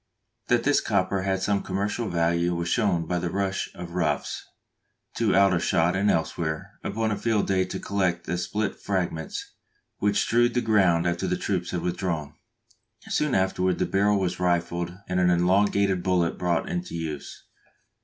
[That this copper had some commercial value was shown by the rush of "roughs" to Aldershot and elsewhere upon a field day to collect the split fragments which strewed the ground after the troops had withdrawn.] Soon afterward the barrel was rifled and an elongated bullet brought into use.